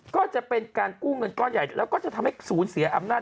ก็จะเป็นการกู้เงินก้อนใหญ่แล้วก็จะทำให้ศูนย์เสียอำนาจ